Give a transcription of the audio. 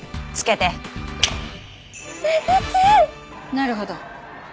なるほど。